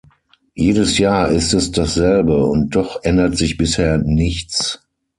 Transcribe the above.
Jedes Jahr ist es dasselbe, und doch ändert sich bisher nichts.